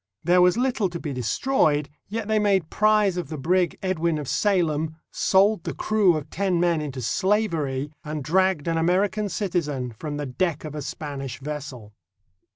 There was little to be destroyed, yet they made prize of the brig Edwin of Salem, sold the crew of ten men into slavery, and dragged an American citizen from the deck of a Spanish vessel.